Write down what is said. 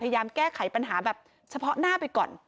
พยายามแก้ไขปัญหาแบบเฉพาะหน้าไปก่อน